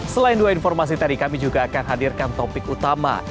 selain dua informasi tadi kami juga akan hadirkan topik utama